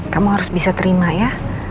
kamu harus bisa terima ya